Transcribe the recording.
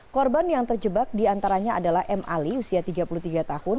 korban yang terjebak diantaranya adalah m ali usia tiga puluh tiga tahun